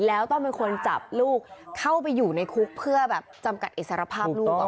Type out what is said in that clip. แล้วต้องเป็นคนจับลูกเข้าไปอยู่ในคุกเพื่อแบบจำกัดอิสรภาพลูก